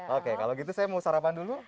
oke kalau gitu saya mau sarapan dulu